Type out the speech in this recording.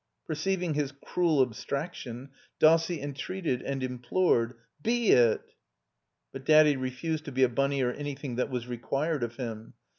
Perceiving his cruel abstraction, Dossie entreated and implored. *'Be it!" But Daddy refused to be a bunny or an3rthing that was required of him.